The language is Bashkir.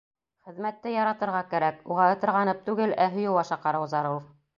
Хеҙмәтте яратырға кәрәк, уға ытырғанып түгел, ә һөйөү аша ҡарау зарур.